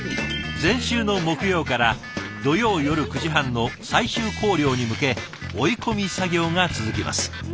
前週の木曜から土曜夜９時半の最終校了に向け追い込み作業が続きます。